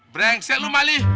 brengsek lo malih